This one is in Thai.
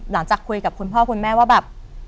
หลังจากคุยกับคุณพ่อคุณแม่ว่าแบบ